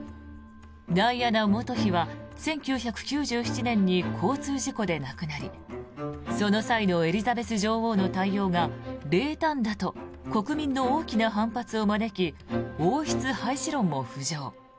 ダイアナ元妃は１９９７年に交通事故で亡くなりその際のエリザベス女王の対応が冷淡だと国民の大きな反発を招き王室廃止論も浮上。